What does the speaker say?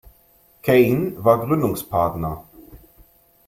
Cain war Gründungspartner.